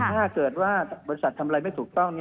ถ้าเกิดว่าบริษัททำอะไรไม่ถูกต้อง